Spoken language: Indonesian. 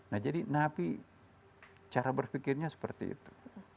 nah jadi nabi cara berpikirnya seperti itu